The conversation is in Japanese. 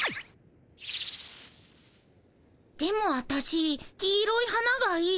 でもアタシ黄色い花がいい。